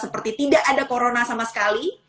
seperti tidak ada corona sama sekali